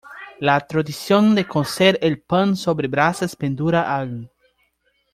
La tradición de cocer el pan sobre brasas perdura aún.